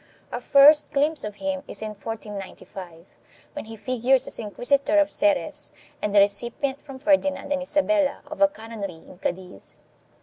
Our first glimpse of him is in 1495, when he figures as inquisitor of Xeres and the recipient from Ferdinand and Isabella of a canonry in Cadiz.